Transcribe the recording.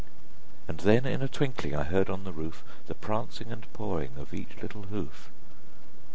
And then, in a twinkling, I heard on the roof The prancing and pawing of each little hoof.